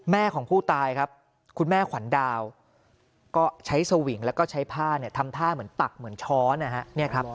ของผู้ตายครับคุณแม่ขวัญดาวก็ใช้สวิงแล้วก็ใช้ผ้าเนี่ยทำท่าเหมือนตักเหมือนช้อนนะฮะ